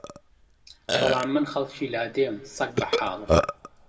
بەڵام من خەڵکی لادێم سەگ بەحاڵم